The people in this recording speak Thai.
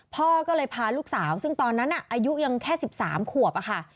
พ่อก็เลยพาลูกสาวซึ่งตอนนั้นอายุยังแค่๑๓ขวบค่ะ